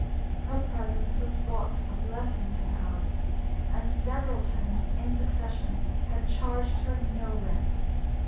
Her presence was thought a blessing to the house, and several tenants in succession had charged her no rent.